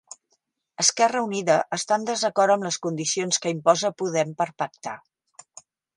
Esquerra Unida està en desacord amb les condicions que imposa Podem per pactar